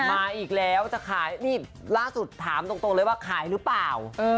มาอีกแล้วจะขายนี่ล่าสุดถามตรงเลยว่าขายหรือเปล่า